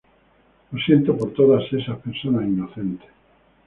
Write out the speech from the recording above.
Lo siento por todas esas personas inocentes.